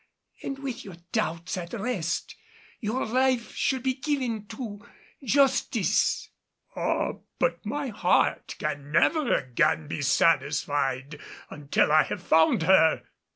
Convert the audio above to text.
And with your doubts at rest, your life should be given to Justice." "Ah, but my heart can never again be satisfied until I have found her!"